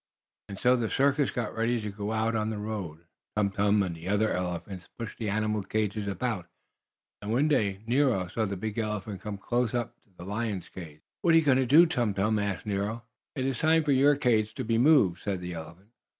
And so the circus got ready to go out on the road. Tum Tum and the other elephants pushed the animal cages about, and one day Nero saw the big elephant come close up to the lion's cage. "What are you going to do, Tum Tum?" asked Nero. "It is time for your cage to be moved," said the elephant.